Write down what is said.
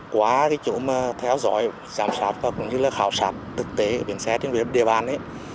qua chỗ theo dõi giám sát và khảo sát thực tế bến xe trên địa bàn